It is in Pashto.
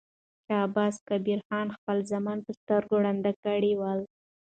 شاه عباس کبیر خپل زامن په سترګو ړانده کړي ول.